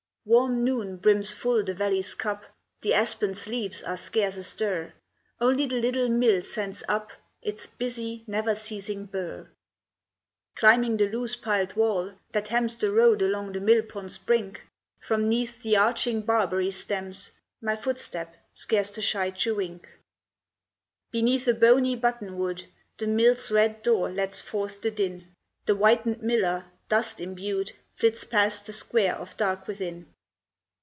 Warm noon brims full the valley's cup, The aspen's leaves are scarce astir, Only the little mill sends up Its busy, never ceasing burr. Climbing the loose piled wall that hems The road along the mill pond's brink, From 'neath the arching barberry stems, My footstep scares the shy chewink. Beneath a bony buttonwood The mill's red door lets forth the din; The whitened miller, dust imbued, Flits past the square of dark within.